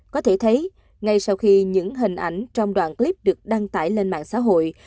có thể thấy ngay sau khi những hình ảnh trong đoạn clip được đăng tải lên mạng xã hội